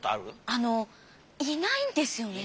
あのいないんですよね。